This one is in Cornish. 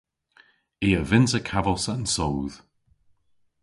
I a vynnsa kavos an soodh!